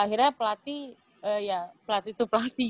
akhirnya pelatih ya pelatih itu pelatih